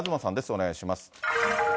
お願いします。